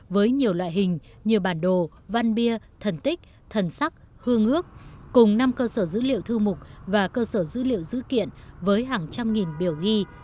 với nhiều loại hình như bản đồ văn bia thần tích thần sắc hương ước cùng năm cơ sở dữ liệu thư mục và cơ sở dữ liệu giữ kiện với hàng trăm nghìn biểu ghi